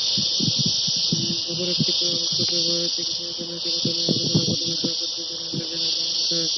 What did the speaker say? অপরীক্ষিত ওষুধ ব্যবহারে চিকিত্সার নৈতিকতা নিয়ে আলোচনা করতে বিশেষজ্ঞরা সুইজারল্যান্ডের জেনেভায় মিলিত হয়েছেন।